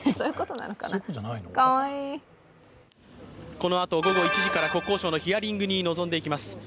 このあと午後１時から国交省のヒアリングに臨んでいきます。